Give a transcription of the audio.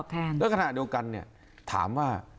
ถ้าเดียวกันถามว่า